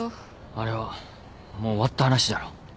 あれはもう終わった話だろ。